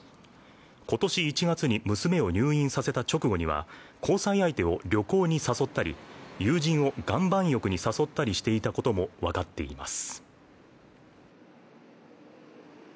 今年１月に娘を入院させた直後には交際相手を旅行に誘ったり友人を岩盤浴に誘ったりしていたこともわかっています。